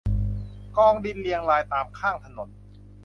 กองดินเรียงรายตามข้างถนน